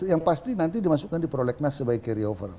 yang pasti nanti dimasukkan di prolegnas sebagai carry over